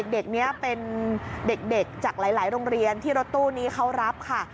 เด็กนี้เป็นเด็กจากหลายโรงเรียนที่รถตู้นี้เขารับค่ะ